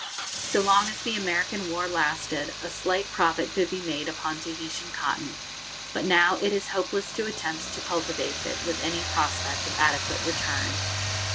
So long as the American war lasted, a slight profit could be made upon Tahitian cotton, but now it is hopeless to attempt to cultivate it with any prospect of adequate return.